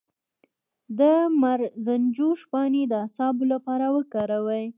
د مرزنجوش پاڼې د اعصابو لپاره وکاروئ